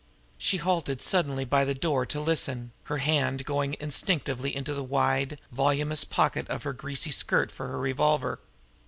She halted suddenly by the door to listen, her hand going instinctively to the wide, voluminous pocket of her greasy skirt for her revolver.